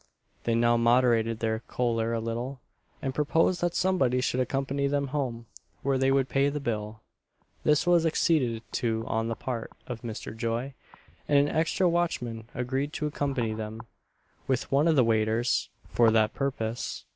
They now moderated their choler a little, and proposed that somebody should accompany them home, where they would pay the bill. This was acceded to on the part of Mr. Joy, and an extra watchman agreed to accompany them, with one of the waiters, for that purpose.